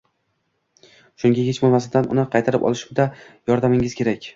Shunga kech bo`lmasidan, uni qaytarib olishimda yordamingiz kerak